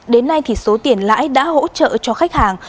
đến nay thì số tiền lãi đã hỗ trợ cho khách hàng